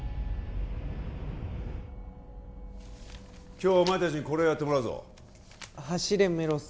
今日はお前達にこれをやってもらうぞ「走れメロス」